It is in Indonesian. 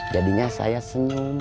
jadinya saya senyum